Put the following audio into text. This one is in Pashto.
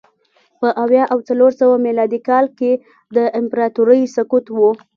په اویا او څلور سوه میلادي کال کې د امپراتورۍ سقوط و